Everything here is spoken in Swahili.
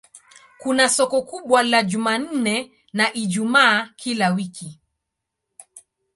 Kuna soko kubwa la Jumanne na Ijumaa kila wiki.